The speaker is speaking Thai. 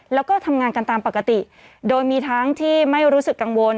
แล้วก็ทำงานกันตามปกติโดยมีทั้งที่ไม่รู้สึกกังวล